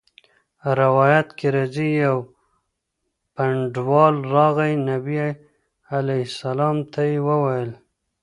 روایت کي راځي: يو بانډَوال راغی، نبي عليه السلام ته ئي وويل